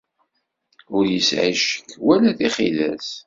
Ur yesɛi ccek wala tixidas.